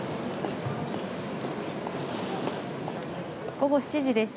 午後７時です。